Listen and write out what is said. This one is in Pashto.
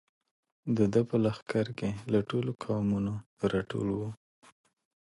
د ده په لښکر کې له ټولو قومونو را ټول.